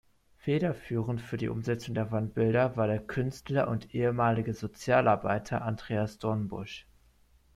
Federführend für die Umsetzung der Wandbilder war der Künstler und ehemalige Sozialarbeiter Andreas Dornbusch.